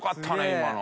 今の。